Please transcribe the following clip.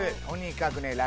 とにかくね